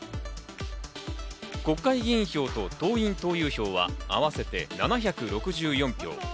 国会議員票と党員・党友票は合わせて７６４票。